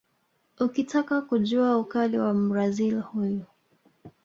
Ukitakata kujua ukali wa Mbrazil huyu